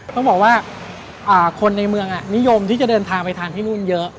ต้องบอกว่าคนในเมืองนิยมที่จะเดินทางไปทานที่นู่นเยอะ